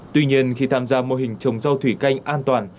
tuy nhiên khi tham gia mô hình trồng rau thủy canh an toàn